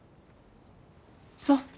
そう。